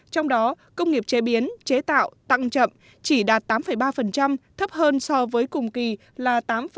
trong đó công nghiệp chế biến chế tạo tăng chậm chỉ đạt tám ba thấp hơn so với cùng kỳ là tám chín mươi bốn